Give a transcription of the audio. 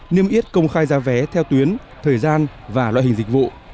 niêm yết công khai giá vé theo tuyến thời gian và loại hình dịch vụ